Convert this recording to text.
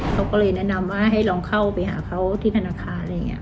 เขาก็เลยแนะนำว่าให้ลองเข้าไปหาเขาที่ธนาคารอะไรอย่างนี้